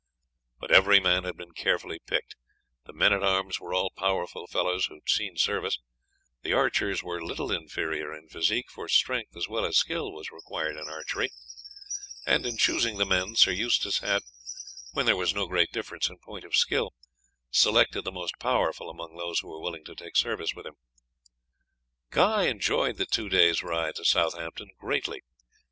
But every man had been carefully picked; the men at arms were all powerful fellows who had seen service; the archers were little inferior in physique, for strength as well as skill was required in archery, and in choosing the men Sir Eustace had, when there was no great difference in point of skill, selected the most powerful among those who were willing to take service with him. Guy enjoyed the two days' ride to Southampton greatly.